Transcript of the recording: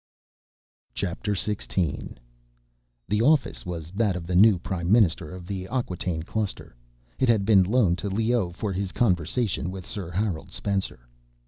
XVI The office was that of the new prime minister of the Acquataine Cluster. It had been loaned to Leoh for his conversation with Sir Harold Spencer.